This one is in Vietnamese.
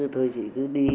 thôi chị cứ đi